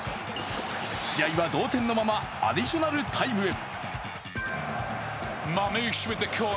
試合は同点のままアディショナルタイムへ。